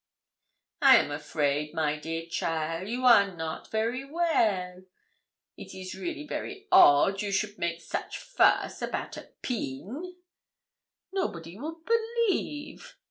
'I am afraid, my dear cheaile, you are not very well. It is really very odd you should make such fuss about a pin! Nobody would believe!